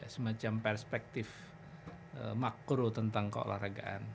semacam perspektif makro tentang keolahragaan